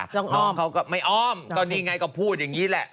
น้องเขาก็ไม่อ้อมก็นี่ไงก็พูดอย่างนี้แหละ